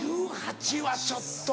１８はちょっと。